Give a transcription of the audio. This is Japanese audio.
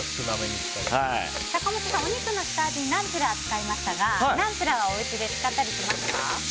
坂本さん、お肉の下味にナンプラー使いましたがナンプラーはおうちで使ったりしますか？